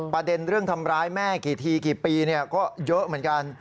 ประเด็นเรื่องทำร้ายแม่กี่ทีกี่ปีก็เยอะเหมือนกัน